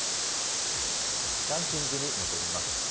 ランキングに戻ります。